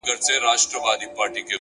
د هدف وضاحت فکر منظموي,